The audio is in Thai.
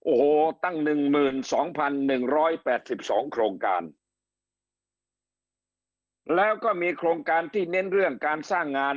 โอ้โหตั้ง๑๒๑๘๒โครงการแล้วก็มีโครงการที่เน้นเรื่องการสร้างงาน